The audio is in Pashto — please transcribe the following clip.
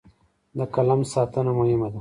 د قلم ساتنه مهمه ده.